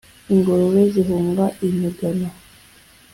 Ingurube zihunga imigano